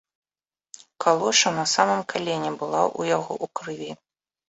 Калоша на самым калене была ў яго ў крыві.